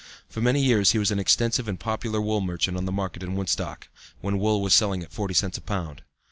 For many years he was an extensive and popular wool merchant on the market in Woodstock, when wool was selling at forty cents a pound.